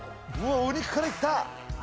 お肉からいった！